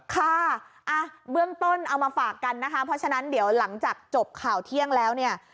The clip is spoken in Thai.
ค่ะเบื้องต้นเอามาฝากกันนะคะเพราะฉะนั้นเดี๋ยวหลังจากจบข่าวเที่ยงแล้วเนี่ย